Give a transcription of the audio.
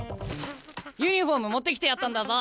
ユニフォーム持ってきてやったんだぞ。